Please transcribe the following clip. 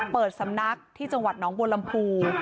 เปิดสำนักที่จังหวัดน้องบัวลำพู